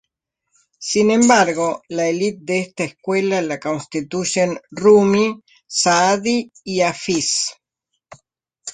Sin embargo, la elite de esta escuela la constituyen Rumi, Saadi, y Hafiz.